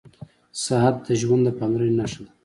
• ساعت د ژوند د پاملرنې نښه ده.